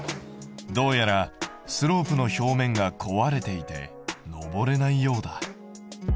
どうやらスロープの表面が壊れていて上れないようだ。